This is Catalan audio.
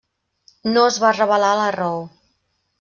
No es va revelar la raó.